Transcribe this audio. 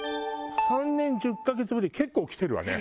「３年１０カ月ぶり」結構来てるわね。